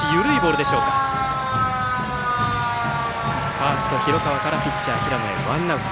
ファースト広川からピッチャー平野にわたってワンアウト。